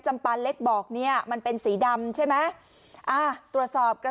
ปานเล็กบอกเนี่ยมันเป็นสีดำใช่ไหมอ่าตรวจสอบกระ